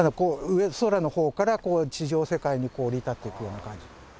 空の方から地上世界に降り立っていくような感じ。